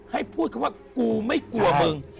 ให้พูดคำว่ากูไม่กลัวมึง